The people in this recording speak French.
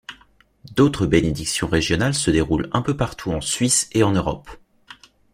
D’autres bénédictions régionales se déroulent un peu partout en Suisse et en Europe.